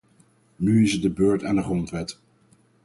Nu is het de beurt aan de grondwet.